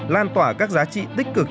lan tỏa các giá trị tích cực